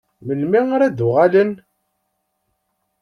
Melmi ara d-uɣalen?